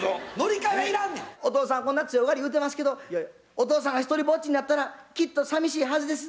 お父さんこんな強がり言うてますけどお父さんが独りぼっちになったらきっとさみしいはずです。